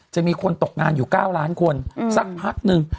จะมีคนตกงานอยู่๙ล้านคนสักพักนึง